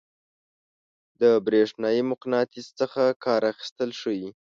د برېښنايي مقناطیس څخه کار اخیستل ښيي.